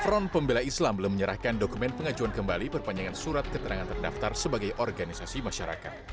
front pembela islam belum menyerahkan dokumen pengajuan kembali perpanjangan surat keterangan terdaftar sebagai organisasi masyarakat